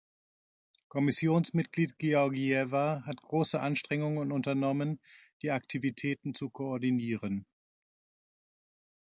Kommissionsmitglied Georgieva hat große Anstrengungen unternommen, die Aktivitäten zu koordinieren.